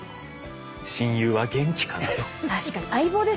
親友は元気かなと。